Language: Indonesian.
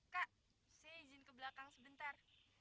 kak saya izin ke belakang sebentar